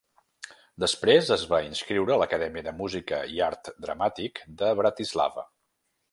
Després es va inscriure a l'Acadèmia de Música i Art Dramàtic de Bratislava.